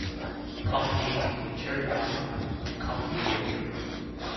Common names include "cherry pie" and "common heliotrope".